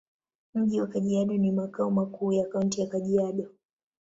Mji wa Kajiado ni makao makuu ya Kaunti ya Kajiado.